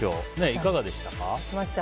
いかがでしたか？